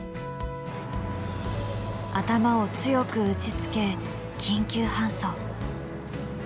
頭を強く打ちつけ緊急搬送。